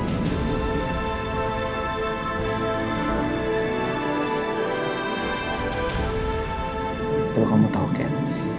tapi kamu tahu ken